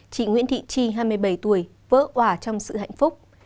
chị nguyễn thị tri hai mươi bảy tuổi vỡ quả trong sự hạnh phúc